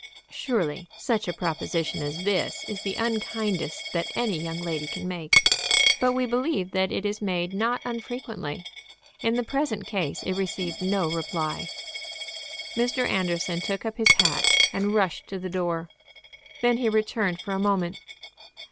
Surely such a proposition as this is the unkindest that any young lady can make; but we believe that it is made not unfrequently. In the present case it received no reply. Mr. Anderson took up his hat and rushed to the door. Then he returned for a moment.